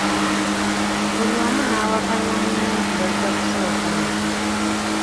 Buli omu nawakanya munne nti bajja kusooka nze.